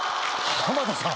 浜田さん。